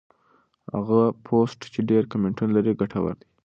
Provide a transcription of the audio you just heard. هغه پوسټ چې ډېر کمنټونه لري ګټور دی.